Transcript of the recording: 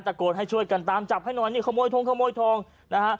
ตะโกนให้ช่วยกันตามจับให้หน่อยนี่ขโมยทงขโมยทองนะฮะ